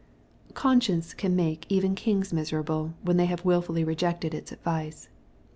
Conscience can make even kings miserable, when they have wilfully rejected its advice.